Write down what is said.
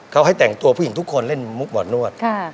เขาให้แต่งตัวผู้หญิงทุกคนเล่นมุกบอดนวด